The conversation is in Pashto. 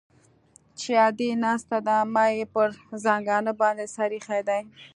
چې ادې ناسته ده ما يې پر زنګانه باندې سر ايښى دى.